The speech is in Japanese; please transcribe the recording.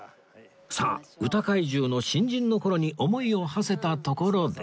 さあ歌怪獣の新人の頃に思いをはせたところで